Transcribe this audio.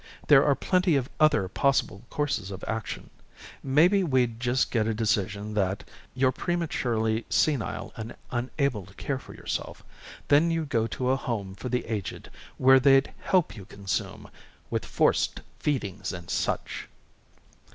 "There are plenty of other possible courses of action. Maybe we'd just get a decision that you're prematurely senile and unable to care for yourself. Then you'd go to a home for the aged where they'd help you consume with forced feedings and such."